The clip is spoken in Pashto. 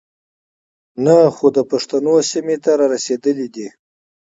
نۀ خو د پښتنو سيمې ته را رسېدلے دے.